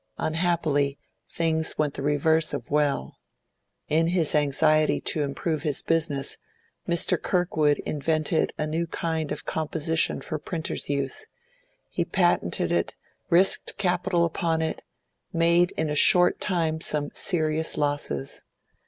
Unhappily things went the reverse of well. In his anxiety to improve his business, Mr. Kirkwood invented a new kind of 'composition' for printers' use; he patented it, risked capital upon it, made in a short time some serious losses.